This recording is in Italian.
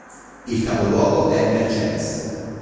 Il capoluogo è Mercedes.